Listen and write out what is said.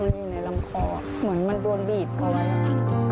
มันอยู่ในร่ำคอเหมือนมันดวนบีบอะไรอย่างแบบนี้